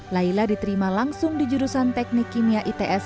laila diterima langsung di jurusan teknik kimia its